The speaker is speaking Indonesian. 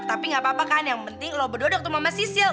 tapi gak apa apa kan yang penting lo berdua udah ketemu sama sisil